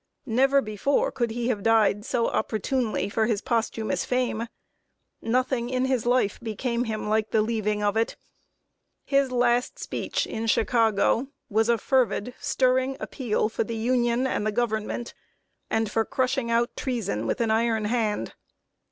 Never before could he have died so opportunely for his posthumous fame. Nothing in his life became him like the leaving of it. His last speech, in Chicago, was a fervid, stirring appeal for the Union and the Government, and for crushing out treason with an iron hand.